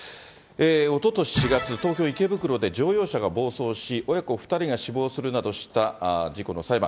おととし４月、東京・池袋で乗用車が暴走し、親子２人が死亡するなどした事故の裁判。